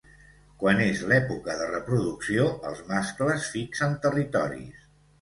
Quan és l'època de reproducció, els mascles fixen territoris.